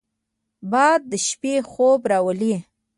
باد د شپې خوب راولي